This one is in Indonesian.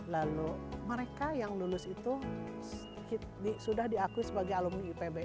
lalu mereka yang lulus itu sudah diakui sebagai alumni ipb